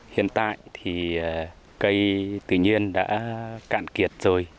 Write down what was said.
hiện tại thì cây tự nhiên đã cạn kiệt rồi